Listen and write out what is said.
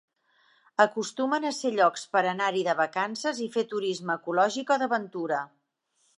Acostumen a ser llocs per anar-hi de vacances i fer turisme ecològic o d'aventura.